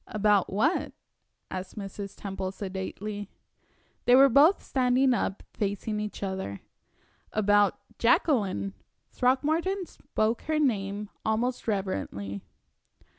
"About what?" asked Mrs. Temple, sedately. They were both standing up, facing each other. "About Jacqueline." Throckmorton spoke her name almost reverently.